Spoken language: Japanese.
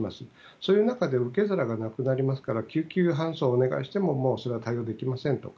そういう中で受け皿がなくなりますから救急搬送をお願いして対応できませんと。